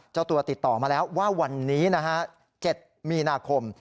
เจ้าตัวติดต่อมาแล้วว่าวันนี้นะฮะ๗มีนาคม